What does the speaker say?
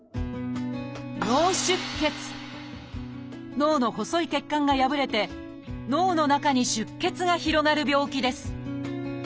脳の細い血管が破れて脳の中に出血が広がる病気です